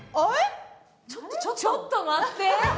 ちょっと待って。